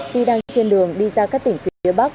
khi đang trên đường đi ra các tỉnh phía bắc